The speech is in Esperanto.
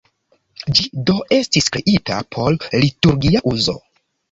Ĝi do estis kreita por liturgia uzo.